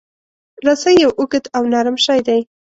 رسۍ یو اوږد او نرم شی دی.